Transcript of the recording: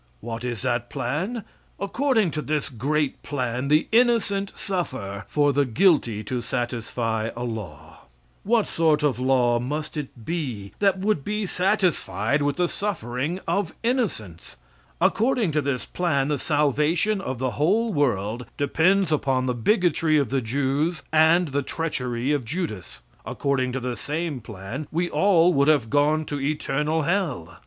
What is that plan? According to this great plan, the innocent suffer for the guilty to satisfy a law. What sort of a law must it be that would be satisfied with the suffering of innocence? According to this plan, the salvation of the whole world depends upon the bigotry of the Jews and the treachery of Judas. According to the same plan, we all would have gone to eternal hell.